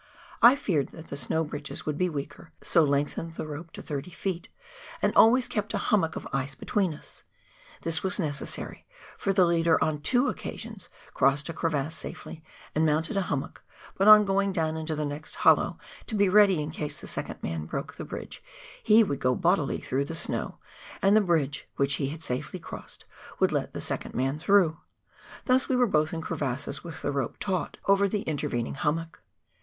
I feared that the snow bridges would be weaker, so lengthened the rope 30 ft., and always kept a hummock of ice between us. This was necessary, for the leader on two occasions crossed a crevasse safely and mounted a hummock, but on going down into the next hollow to be ready in case the second man broke the bridge, he would go bodily through the snow, and the bridge, which he had safely crossed, would let the second man through ; thus we were both in crevasses with the rope taut over the intervening hummock.